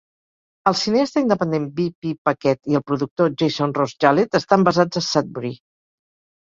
El cineasta independent B. P. Paquette i el productor Jason Ross Jallet estan basats a Sudbury.